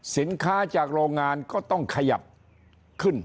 สินค้าจากโรงงานก็ต้องขยับขึ้น